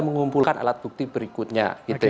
mengumpulkan alat bukti berikutnya